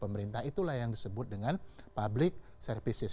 pemerintah itulah yang disebut dengan public services